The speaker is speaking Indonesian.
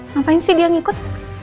ngapain sih dia ngikut